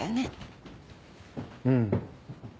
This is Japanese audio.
うん。